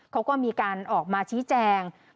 เขาก็มีการออกมาชี้แจง